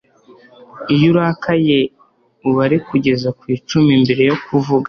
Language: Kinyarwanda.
Iyo urakaye ubare kugeza ku icumi mbere yo kuvuga